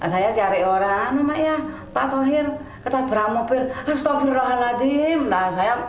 saya cari orang namanya pak tauhir ketabrak mobil astaghfirullahaladzim nah saya